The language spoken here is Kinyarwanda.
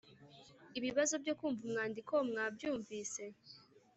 Ibibazo byo kumva umwandiko mwabyumvise